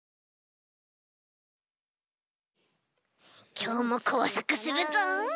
きょうもこうさくするぞ！